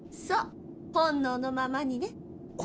そう本能のままにね。